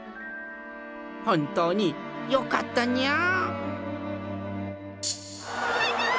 本当によかったにゃー。